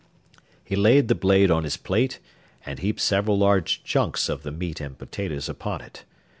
He laid the blade on his plate and heaped several large chunks of the meat and potatoes upon it.